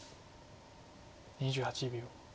２８秒。